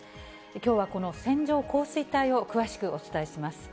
きょうはこの線状降水帯を詳しくお伝えします。